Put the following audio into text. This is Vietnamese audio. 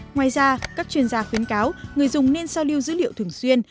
ngoài ra các chuyên gia khuyến cáo người dùng nên sao lưu dữ liệu thường xuyên